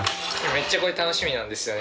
めっちゃ楽しみなんですよね。